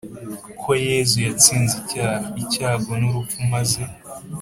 ko yezu yatsinze icyaha, icyago n’urupfu maze